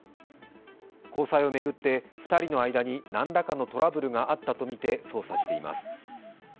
交際を巡って、２人の間に何らかのトラブルがあったとみて捜査しています。